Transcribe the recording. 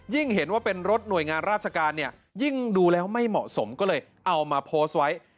เห็นว่าเป็นรถหน่วยงานราชการเนี่ยยิ่งดูแล้วไม่เหมาะสมก็เลยเอามาโพสต์ไว้